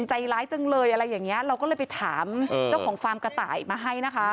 ใจร้ายจังเลยอะไรอย่างเงี้ยเราก็เลยไปถามเจ้าของฟาร์มกระต่ายมาให้นะคะ